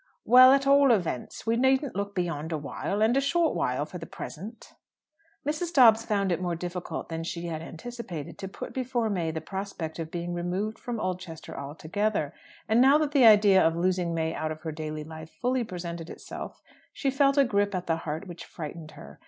"Well, at all events we needn't look beyond a 'while' and a short while, for the present." Mrs. Dobbs found it more difficult than she had anticipated to put before May the prospect of being removed from Oldchester altogether, and, now that the idea of losing May out of her daily life fully presented itself, she felt a grip at the heart which frightened her.